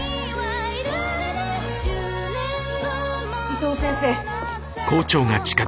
伊藤先生。